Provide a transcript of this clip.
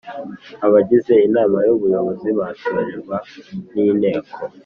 Abagize inama y ubuyobozi batorerwa n inteko